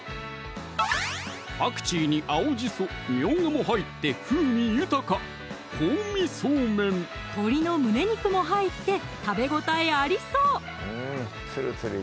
パクチーに青じそ・みょうがも入って風味豊か鶏の胸肉も入って食べ応えありそう！